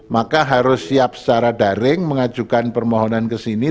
maka harus siap secara daring mengajukan permohonan ke sini